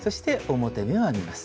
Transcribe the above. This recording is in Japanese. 表目を編みます。